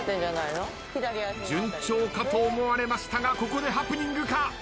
順調かと思われましたがここでハプニングか？